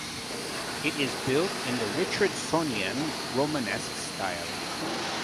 It is built in the Richardsonian Romanesque Style.